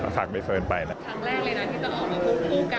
ครั้งแรกเลยนะที่จะออกมาพูดกัน